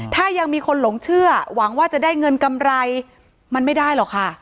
ถ้ายังมีคนหลงเชื่อหวังว่าจะได้เงินกำไรมันไม่ได้หรอกค่ะ